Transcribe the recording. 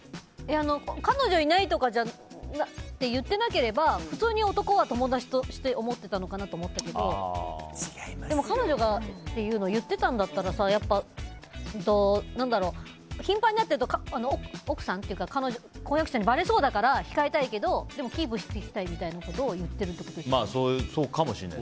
彼女いないとか言ってなければ普通に男は友達として思ってたのかなと思うんだけどでも、彼女がっていうのを言ってたんだったら頻繁に会ってると奥さんというか婚約者にバレそうだから控えたいけどでもキープしときたいみたいなことをそうかもしれない。